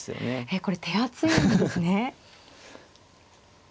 えこれ手厚いんですね。